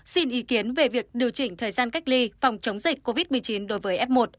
xin ý kiến về việc điều chỉnh thời gian cách ly phòng chống dịch covid một mươi chín đối với f một